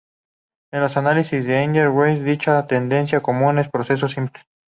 En los análisis de Engle y Granger, dicha tendencia común es un proceso simple.